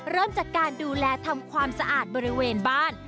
เริ่มจากการดูแลทำความสะอาดบริเวณบ้าน